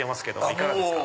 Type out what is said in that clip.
いかがですか？